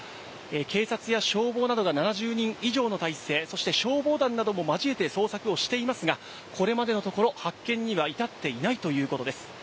警察や消防などが７０人以上の態勢、そして消防団なども交えて捜索をしていますが、これまでのところ、発見には至っていないということです。